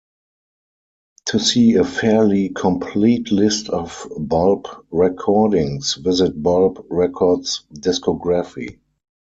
To see a fairly complete list of Bulb recordings, visit Bulb Records discography.